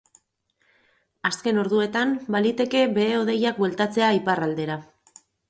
Azken orduetan baliteke behe-hodeiak bueltatzea iparraldera.